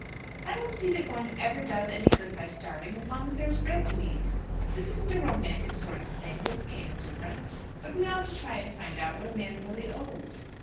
"I don't see that one ever does any good by starving as long as there is bread to eat. This isn't a romantic sort of thing, this payment of rents; but we ought to try and find out what a man really owes."